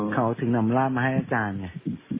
เขาถึงนำร่ามมาให้อาจารย์ไง